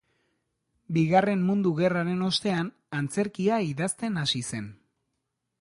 Bigarren Mundu Gerraren ostean, antzerkia idazten hasi zen.